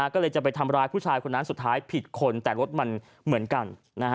ก็เลยจะไปทำร้ายผู้ชายคนนั้นสุดท้ายผิดคนแต่รถมันเหมือนกัน